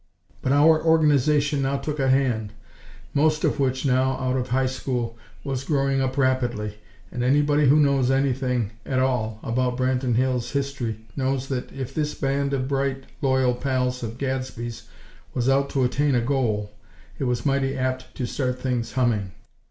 But our Organization now took a hand, most of which, now out of High School, was growing up rapidly; and anybody who knows anything at all about Branton Hills' history, knows that, if this band of bright, loyal pals of Gadsby's was out to attain a goal, it was mighty apt to start things humming.